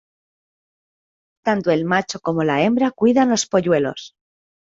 Tanto el macho como la hembra cuidan los polluelos.